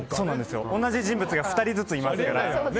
同じ人物が２人ずついますからね。